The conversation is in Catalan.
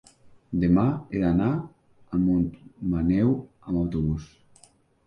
demà he d'anar a Montmaneu amb autobús.